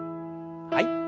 はい。